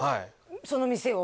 その店を？